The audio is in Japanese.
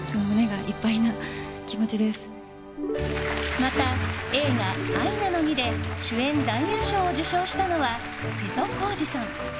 また、映画「愛なのに」で主演男優賞を受賞したのは瀬戸康史さん。